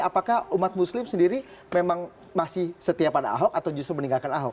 apakah umat muslim sendiri memang masih setia pada ahok atau justru meninggalkan ahok